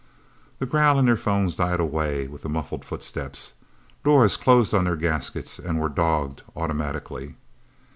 The growl in their phones died away with the muffled footsteps. Doors closed on their gaskets and were dogged, automatically.